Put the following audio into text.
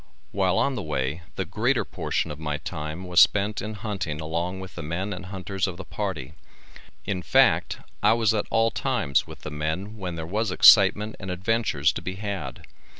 While on the way the greater portion of my time was spent in hunting along with the men and hunters of the party, in fact I was at all times with the men when there was excitement and adventures to be had.